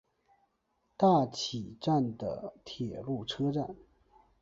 大崎站的铁路车站。